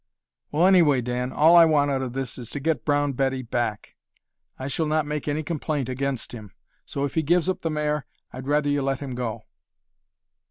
"Well, anyway, Dan, all I want out of this is to get Brown Betty back. I shall not make any complaint against him. So, if he gives up the mare, I'd rather you let him go."